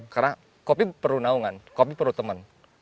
karena kopi perlu naungan kopi perlu teman